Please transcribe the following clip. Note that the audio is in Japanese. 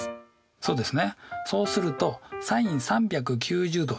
そうですね。